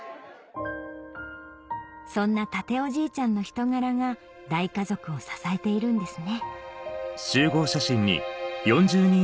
そんな健夫じいちゃんの人柄が大家族を支えているんですね